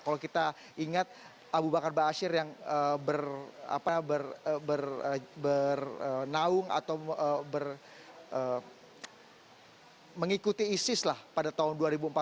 kalau kita ingat abu bakar ba'asyir yang bernaung atau mengikuti isis pada tahun dua ribu empat belas